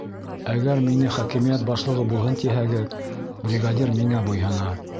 Әгәр мине хакимиәт башлығы булһын тиһәгеҙ, бригадир миңә буйһона.